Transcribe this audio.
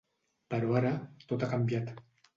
Però ara, tot ha canviat.